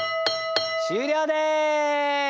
終了です。